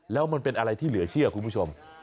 แล้วมันเป็นอะไรที่เหลือเชื่อคุณผู้ชม